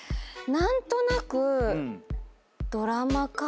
何となくドラマか。